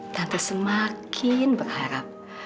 tante semakin berharap